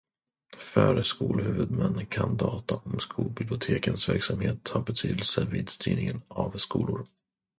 För skolhuvudmän kan data om skolbibliotekens verksamhet ha betydelse vid styrningen av skolor.